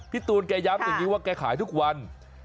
ตูนแกย้ำอย่างนี้ว่าแกขายทุกวัน